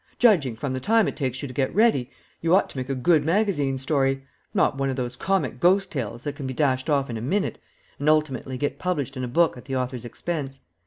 Judging from the time it takes you to get ready, you ought to make a good magazine story not one of those comic ghost tales that can be dashed off in a minute, and ultimately get published in a book at the author's expense.